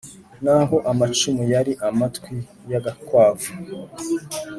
naho amacumu yari amatwi y'agakwavu.